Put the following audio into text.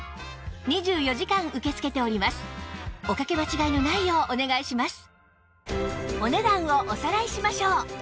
ちなみにお値段をおさらいしましょう